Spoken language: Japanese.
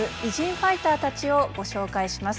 ファイターたちをご紹介します。